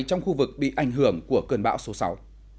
trong khu vực bị ảnh hưởng của cơn bão số sáu